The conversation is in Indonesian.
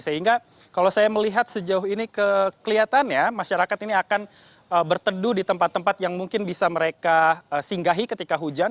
sehingga kalau saya melihat sejauh ini kelihatannya masyarakat ini akan berteduh di tempat tempat yang mungkin bisa mereka singgahi ketika hujan